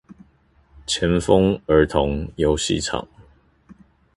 前峰兒童遊戲場